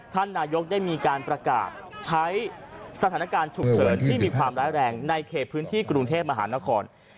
ท่านนายกได้มีการประกาศใช้สถานการณ์ฉุกเฉินที่มีความร้ายแรงในเขตพื้นที่กรุงเทพมหานคร